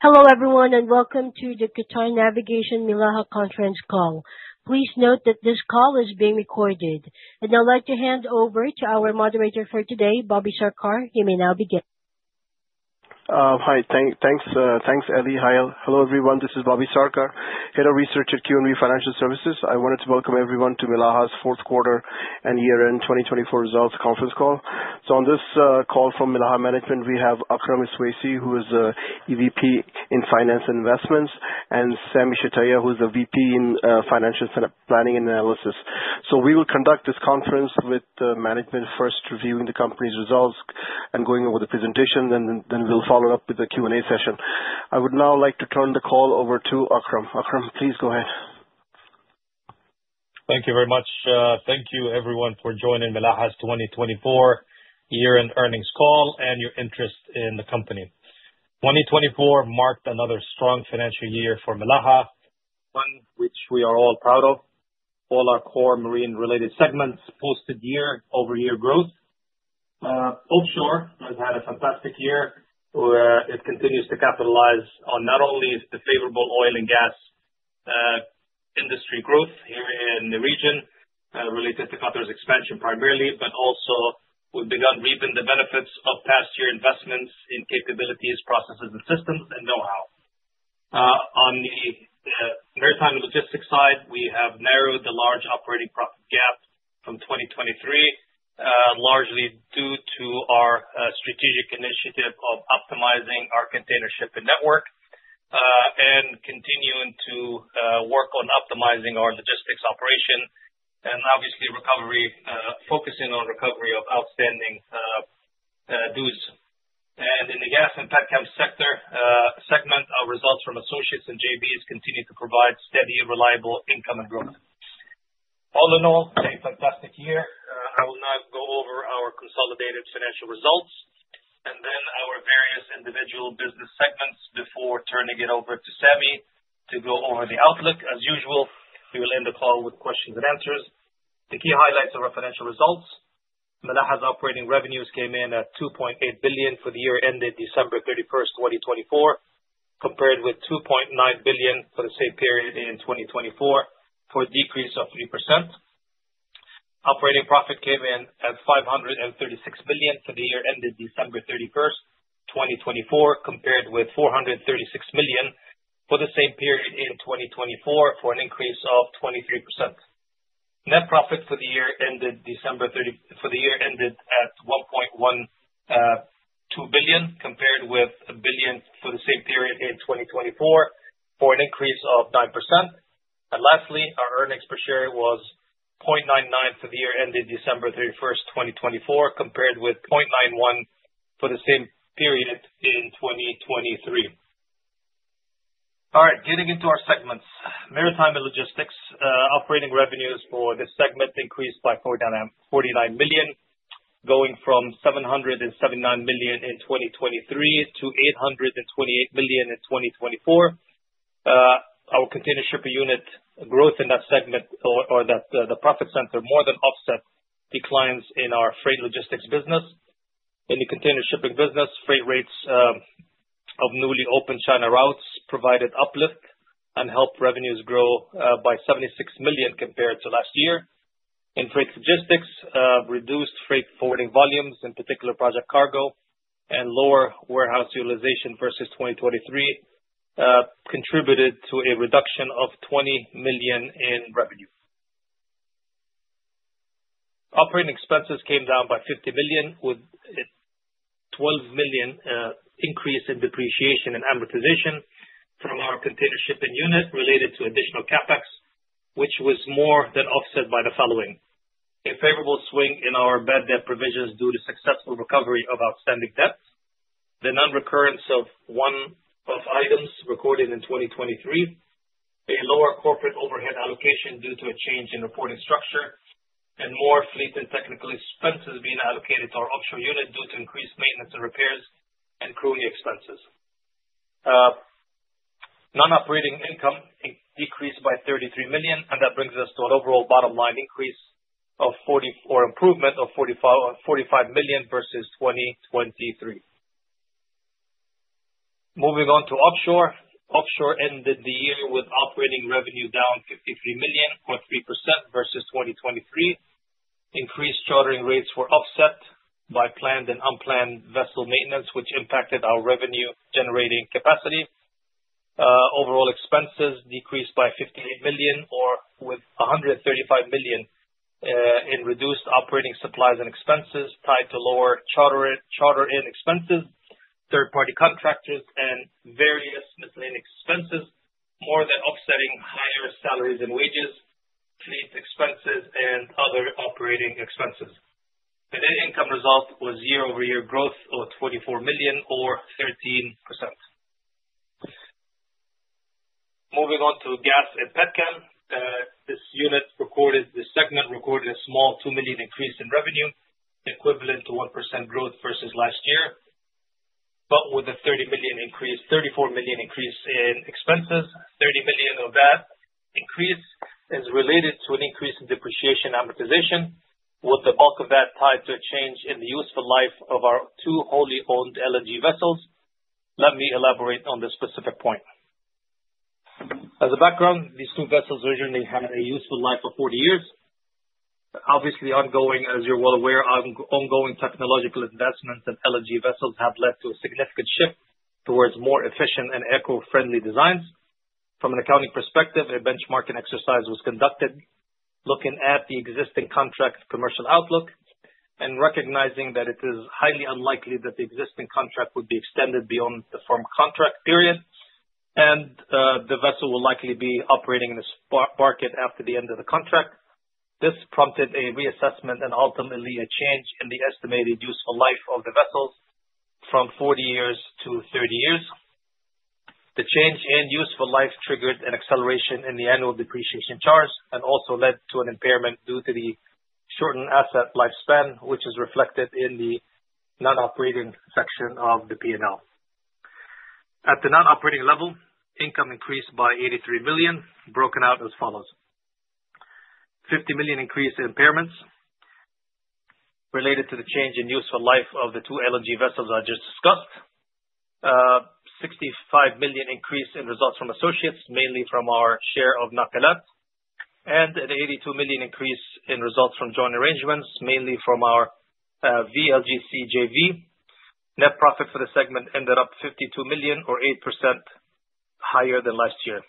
Hello, everyone, and welcome to the Qatar Navigation Milaha Conference call. Please note that this call is being recorded, and I'd like to hand over to our moderator for today, Bobby Sarkar. You may now begin. Hi. Thanks, Eli. Hi, hello everyone. This is Bobby Sarkar, Head of Research at QNB Financial Services. I wanted to welcome everyone to Milaha's fourth quarter and year-end 2024 results conference call. So on this call from Milaha Management, we have Akram Iswaisi, who is the EVP in Finance and Investments, and Sami Shtayyeh, who is the VP in Financial Planning and Analysis. So we will conduct this conference with the management first, reviewing the company's results and going over the presentation, and then we'll follow up with the Q&A session. I would now like to turn the call over to Akram. Akram, please go ahead. Thank you very much. Thank you, everyone, for joining Milaha's 2024 year-end earnings call and your interest in the company. 2024 marked another strong financial year for Milaha, which we are all proud of. All our core marine-related segments posted year-over-year growth. Offshore has had a fantastic year. It continues to capitalize on not only the favorable oil and gas industry growth here in the region related to Qatar's expansion primarily, but also we've begun reaping the benefits of past year investments in capabilities, processes, and systems and know-how. On the maritime and logistics side, we have narrowed the large operating profit gap from 2023, largely due to our strategic initiative of optimizing our container shipping network and continuing to work on optimizing our logistics operation and obviously focusing on recovery of outstanding dues. In the Gas and Petrochem sector, our results from associates and JVs continue to provide steady, reliable income and growth. All in all, a fantastic year. I will now go over our consolidated financial results and then our various individual business segments before turning it over to Sami to go over the outlook. As usual, we will end the call with questions and answers. The key highlights of our financial results: Milaha's operating revenues came in at 2.8 billion for the year ended December 31st, 2024, compared with 2.9 billion for the same period in 2024, for a decrease of 3%. Operating profit came in at 536 million for the year ended December 31st, 2024, compared with 436 million for the same period in 2024, for an increase of 23%. Net profit for the year ended December at 1.12 billion, compared with a billion for the same period in 2023, for an increase of 9%. Lastly, our earnings per share was 0.99 for the year ended December 31st, 2024, compared with 0.91 for the same period in 2023. All right, getting into our segments. Maritime and Logistics operating revenues for this segment increased by 49 million, going from 779 million in 2023 to 828 million in 2024. Our container shipping unit growth in that segment, or that the profit center, more than offset declines in our freight logistics business. In the container shipping business, freight rates of newly opened China routes provided uplift and helped revenues grow by 76 million compared to last year. In freight logistics, reduced freight forwarding volumes, in particular project cargo, and lower warehouse utilization versus 2023 contributed to a reduction of 20 million in revenue. Operating expenses came down by 50 million, with a 12 million increase in depreciation and amortization from our container shipping unit related to additional CapEx, which was more than offset by the following. A favorable swing in our bad debt provisions due to successful recovery of outstanding debt, the non-recurrence of one-off items recorded in 2023, a lower corporate overhead allocation due to a change in reporting structure, and more fleet and technical expenses being allocated to our offshore unit due to increased maintenance and repairs and crewing expenses. Non-operating income decreased by 33 million, and that brings us to an overall bottom line increase or improvement of 45 million versus 2023. Moving on to offshore. Offshore ended the year with operating revenue down 53 million or 3% versus 2023. Increased chartering rates were offset by planned and unplanned vessel maintenance, which impacted our revenue-generating capacity. Overall expenses decreased by 58 million or with 135 million in reduced operating supplies and expenses tied to lower charter-in expenses, third-party contractors, and various miscellaneous expenses, more than offsetting higher salaries and wages, fleet expenses, and other operating expenses. The net income result was year-over-year growth of 24 million or 13%. Moving on to Gas and Petrochem, this segment recorded a small 2 million increase in revenue, equivalent to 1% growth versus last year, but with a 34 million increase in expenses. 30 million of that increase is related to an increase in depreciation and amortization, with the bulk of that tied to a change in the useful life of our two wholly owned LNG vessels. Let me elaborate on this specific point. As a background, these two vessels originally had a useful life of 40 years. Obviously, ongoing, as you're well aware, ongoing technological investments in LNG vessels have led to a significant shift towards more efficient and eco-friendly designs. From an accounting perspective, a benchmarking exercise was conducted looking at the existing contract commercial outlook and recognizing that it is highly unlikely that the existing contract would be extended beyond the firm contract period and the vessel will likely be operating in a spot market after the end of the contract. This prompted a reassessment and ultimately a change in the estimated useful life of the vessels from 40 years to 30 years. The change in useful life triggered an acceleration in the annual depreciation charge and also led to an impairment due to the shortened asset lifespan, which is reflected in the non-operating section of the P&L. At the non-operating level, income increased by 83 million, broken out as follows: 50 million increase in impairments related to the change in useful life of the two LNG vessels I just discussed, 65 million increase in results from associates, mainly from our share of Nakilat, and an 82 million increase in results from joint arrangements, mainly from our VLGC JV. Net profit for the segment ended up 52 million, or 8% higher than last year.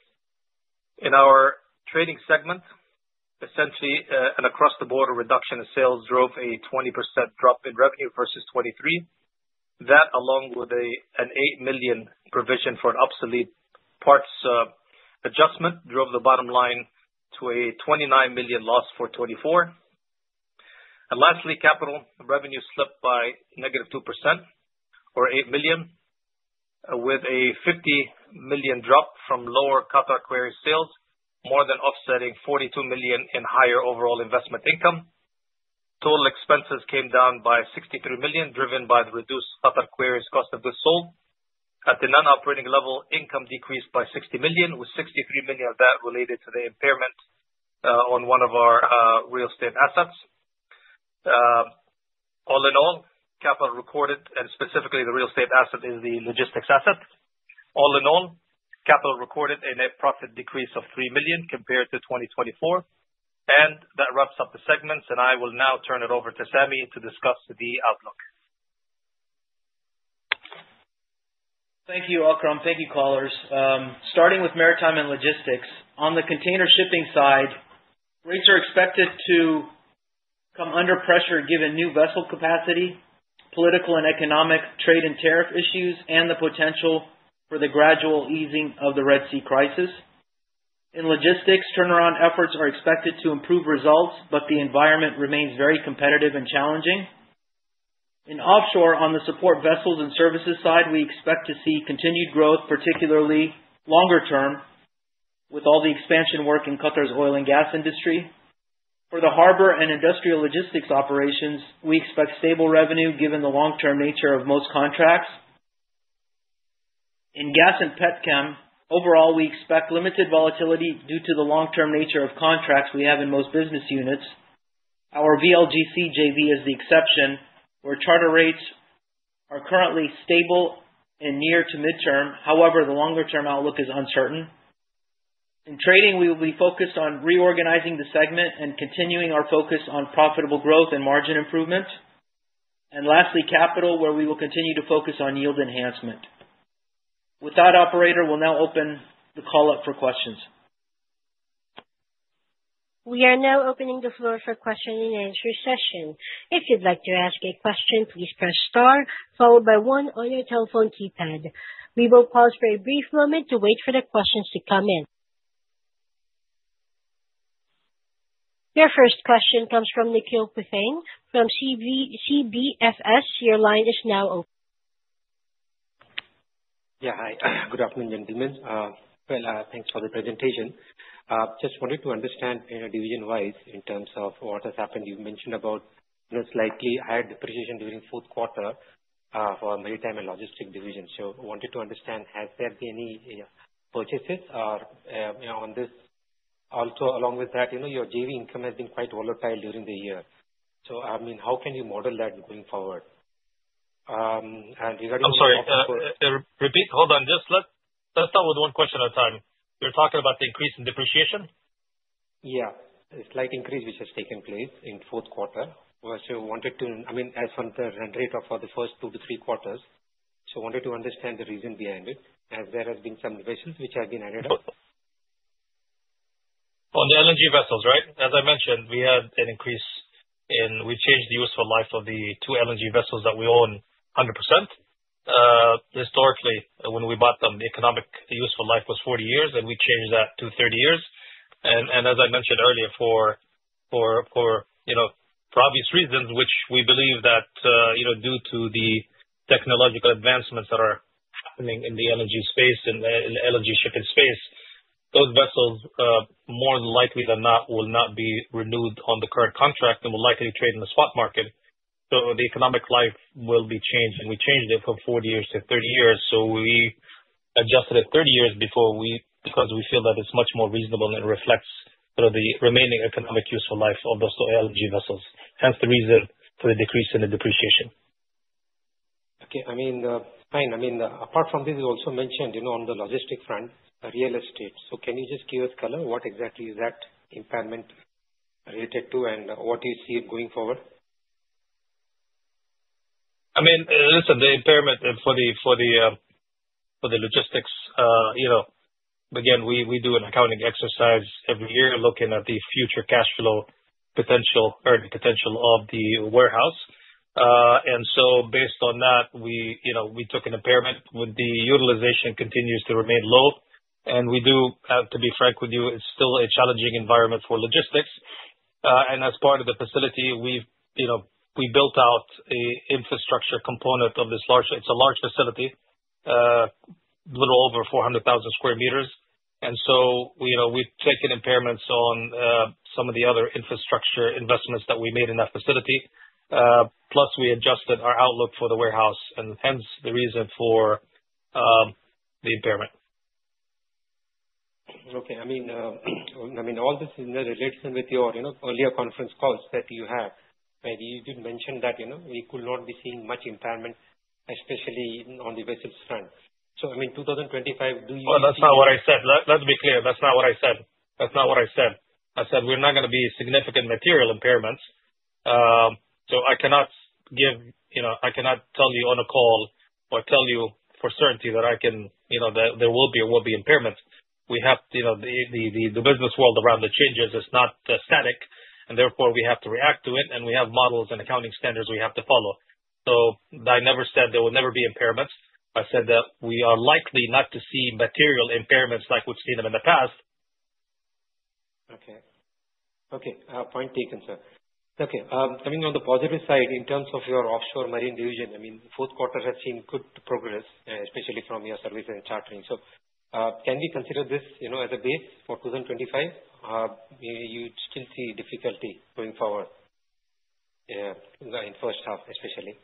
In our Trading segment, essentially an across-the-board reduction in sales drove a 20% drop in revenue versus 2023. That, along with a 8 million provision for an obsolete parts adjustment, drove the bottom line to a 29 million loss for 2024. Lastly, Capital revenue slipped by -2%, or 8 million, with a 50 million drop from lower Qatar Quarries sales, more than offsetting 42 million in higher overall investment income. Total expenses came down by 63 million, driven by the reduced Qatar Quarries' cost of goods sold. At the non-operating level, income decreased by 60 million, with 63 million of that related to the impairment on one of our real estate assets. All in all, Capital recorded a net profit decrease of 3 million compared to 2024. That wraps up the segments, and I will now turn it over to Sami to discuss the outlook. Thank you, Akram. Thank you, callers. Starting with maritime and logistics, on the container shipping side, rates are expected to come under pressure given new vessel capacity, political and economic trade and tariff issues, and the potential for the gradual easing of the Red Sea crisis. In logistics, turnaround efforts are expected to improve results, but the environment remains very competitive and challenging. In offshore, on the support vessels and services side, we expect to see continued growth, particularly longer term, with all the expansion work in Qatar's oil and gas industry. For the harbor and industrial logistics operations, we expect stable revenue given the long-term nature of most contracts. In Gas and Petrochem, overall, we expect limited volatility due to the long-term nature of contracts we have in most business units. Our VLGC JV is the exception, where charter rates are currently stable and near to midterm. However, the longer-term outlook is uncertain. In Trading, we will be focused on reorganizing the segment and continuing our focus on profitable growth and margin improvement. And lastly, Capital, where we will continue to focus on yield enhancement. With that, operator, we'll now open the call up for questions. We are now opening the floor for question and answer session. If you'd like to ask a question, please press star, followed by one on your telephone keypad. We will pause for a brief moment to wait for the questions to come in. Your first question comes from Nikhil Puthenchayil from CBFS. Your line is now open. Yeah, hi. Good afternoon, gentlemen. Well, thanks for the presentation. Just wanted to understand division-wise in terms of what has happened. You mentioned about most likely higher depreciation during fourth quarter for Maritime and Logistics division. So wanted to understand, has there been any purchases on this? Also, along with that, your JV income has been quite volatile during the year. So, I mean, how can you model that going forward? And regarding the. Just, let's start with one question at a time. You're talking about the increase in depreciation? Yeah. A slight increase which has taken place in fourth quarter. I wanted to, I mean, as for the rate of the first two to three quarters, so I wanted to understand the reason behind it, as there have been some investments which have been added up. On the LNG vessels, right? As I mentioned, we changed the useful life of the two LNG vessels that we own 100%. Historically, when we bought them, the economic useful life was 40 years, and we changed that to 30 years. And as I mentioned earlier, for obvious reasons, which we believe that due to the technological advancements that are happening in the LNG space and LNG shipping space, those vessels, more likely than not, will not be renewed on the current contract and will likely trade in the spot market. So the economic life will be changed. And we changed it from 40 years to 30 years. So we adjusted it to 30 years because we feel that it's much more reasonable and reflects the remaining economic useful life of those two LNG vessels. Hence the reason for the decrease in the depreciation. Okay. I mean, fine. I mean, apart from this, you also mentioned on the logistics front, real estate. So can you just give us color? What exactly is that impairment related to, and what do you see going forward? I mean, listen, the impairment for the logistics. Again, we do an accounting exercise every year looking at the future cash flow potential or the potential of the warehouse, and so based on that, we took an impairment, but the utilization continues to remain low, and we do, to be frank with you, it's still a challenging environment for logistics, and as part of the facility, we built out an infrastructure component of this large. It's a large facility, a little over 400,000 sq m, and so we've taken impairments on some of the other infrastructure investments that we made in that facility. Plus, we adjusted our outlook for the warehouse, and hence the reason for the impairment. Okay. I mean, all this is in relation with your earlier conference calls that you had. You did mention that we could not be seeing much impairment, especially on the vessels' front. So, I mean, 2025, do you see? Oh, that's not what I said. Let's be clear. That's not what I said. That's not what I said. I said we're not going to be significant material impairments. So I cannot tell you on a call or tell you for certainty that there will be impairments. We have the business world around the changes is not static, and therefore we have to react to it, and we have models and accounting standards we have to follow, so I never said there will never be impairments. I said that we are likely not to see material impairments like we've seen them in the past. Okay. Point taken, sir. Okay. Coming on the positive side, in terms of your offshore marine division, I mean, fourth quarter has seen good progress, especially from your services and chartering. So can we consider this as a base for 2025? You still see difficulty going forward, yeah, in the first half, especially.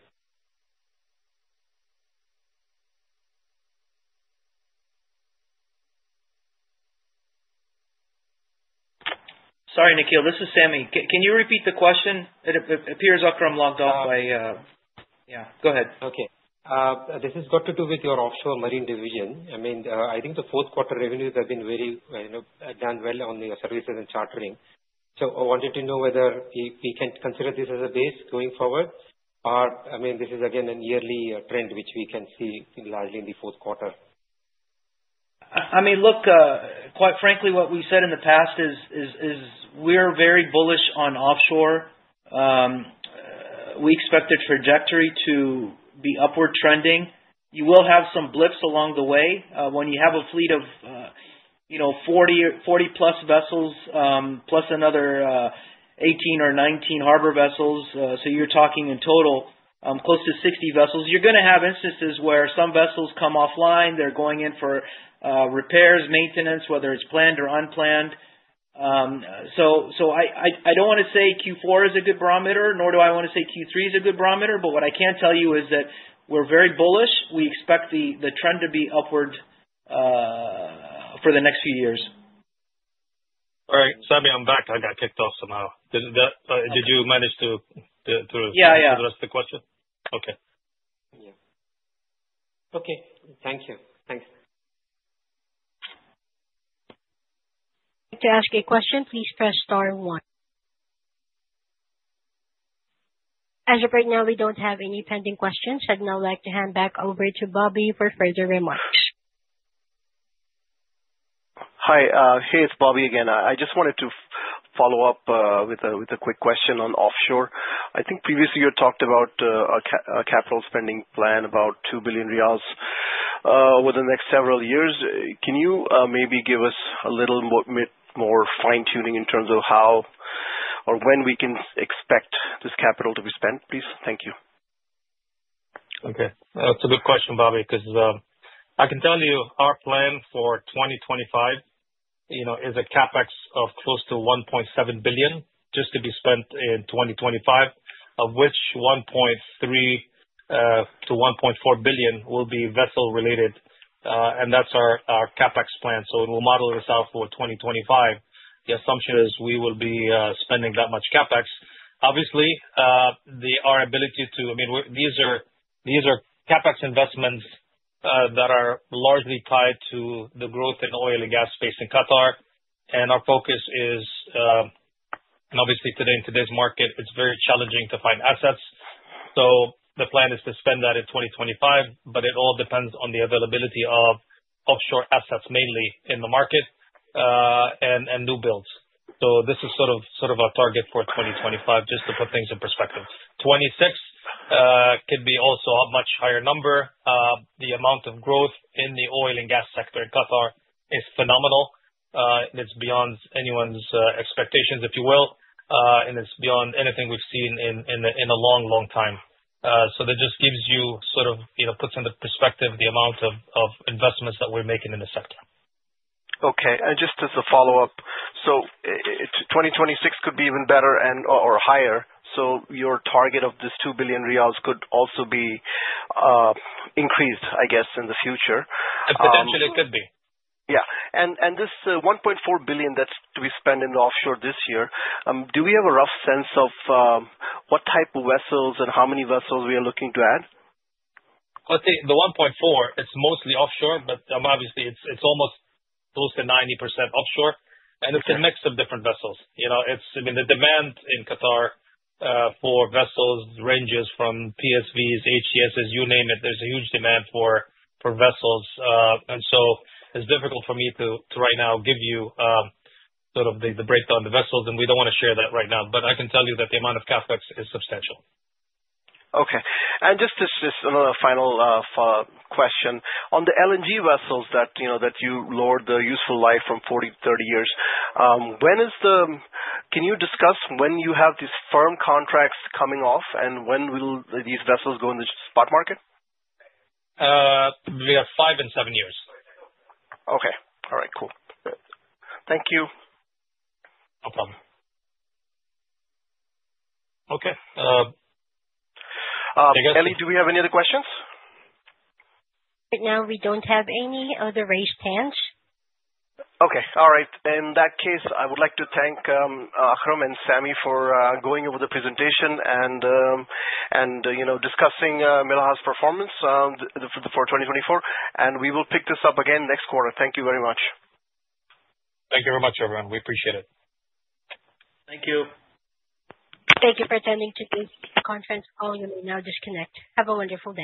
Sorry, Nikhil. This is Sami. Can you repeat the question? It appears Akram logged off, bye. Oh. Yeah. Go ahead. Okay. This has got to do with your offshore marine division. I mean, I think the fourth quarter revenues have done very well on the services and chartering. So I wanted to know whether we can consider this as a base going forward, or I mean, this is, again, a yearly trend which we can see largely in the fourth quarter. I mean, look, quite frankly, what we said in the past is we're very bullish on offshore. We expect the trajectory to be upward trending. You will have some blips along the way when you have a fleet of 40-plus vessels plus another 18 or 19 harbor vessels. So you're talking in total close to 60 vessels. You're going to have instances where some vessels come offline. They're going in for repairs, maintenance, whether it's planned or unplanned. So I don't want to say Q4 is a good barometer, nor do I want to say Q3 is a good barometer. But what I can tell you is that we're very bullish. We expect the trend to be upward for the next few years. All right. Sami, I'm back. I got kicked off somehow. Did you manage to? Yeah, yeah. To the rest of the question? Okay. Yeah. Okay. Thank you. Thanks. To ask a question, please press star one. As of right now, we don't have any pending questions. I'd now like to hand back over to Bobby for further remarks. Hi. Hey, it's Bobby again. I just wanted to follow up with a quick question on offshore. I think previously you had talked about a Capital spending plan about 2 billion riyals over the next several years. Can you maybe give us a little bit more fine-tuning in terms of how or when we can expect this Capital to be spent, please? Thank you. Okay. That's a good question, Bobby, because I can tell you our plan for 2025 is a CapEx of close to 1.7 billion just to be spent in 2025, of which 1.3 billion-1.4 billion will be vessel-related. And that's our CapEx plan. So we'll model this out for 2025. The assumption is we will be spending that much CapEx. Obviously, our ability to I mean, these are CapEx investments that are largely tied to the growth in oil and gas space in Qatar. And our focus is, and obviously, today in today's market, it's very challenging to find assets. So the plan is to spend that in 2025, but it all depends on the availability of offshore assets, mainly in the market, and new builds. So this is sort of our target for 2025, just to put things in perspective. 2026 could be also a much higher number. The amount of growth in the oil and gas sector in Qatar is phenomenal. It's beyond anyone's expectations, if you will, and it's beyond anything we've seen in a long, long time. So that just gives you sort of puts into perspective the amount of investments that we're making in the sector. Okay. And just as a follow-up, so 2026 could be even better or higher. So your target of this 2 billion riyals could also be increased, I guess, in the future. Potentially, it could be. Yeah. And this 1.4 billion that's to be spent in offshore this year, do we have a rough sense of what type of vessels and how many vessels we are looking to add? I'd say the 1.4, it's mostly offshore, but obviously, it's almost close to 90% offshore. And it's a mix of different vessels. I mean, the demand in Qatar for vessels ranges from PSVs, AHTSs, you name it. There's a huge demand for vessels. And so it's difficult for me to right now give you sort of the breakdown of the vessels, and we don't want to share that right now. But I can tell you that the amount of CapEx is substantial. Okay. And just another final follow-up question. On the LNG vessels that you lowered the useful life from 40 to 30 years, can you discuss when you have these firm contracts coming off, and when will these vessels go in the spot market? Probably at five and seven years. Okay. All right. Cool. Thank you. No problem. Okay. do we have any other questions? Right now, we don't have any other raised hands. Okay. All right. In that case, I would like to thank Akram and Sami for going over the presentation and discussing Milaha's performance for 2024, and we will pick this up again next quarter. Thank you very much. Thank you very much, everyone. We appreciate it. Thank you. Thank you for attending today's conference call. You may now disconnect. Have a wonderful day.